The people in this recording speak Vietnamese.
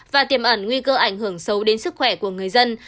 và tiềm ẩn nguy cơ ảnh hưởng xấu đến sức khỏe của người dân